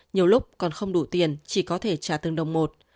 nhiều lúc còn không đủ tiền chỉ có thể trả tương đồng một